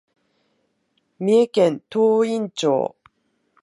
三重県東員町